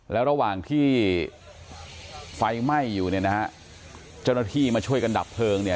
แล้วระหว่างที่ไฟไหม้อยู่เนี่ยนะฮะเจ้าหน้าที่มาช่วยกันดับเพลิงเนี่ย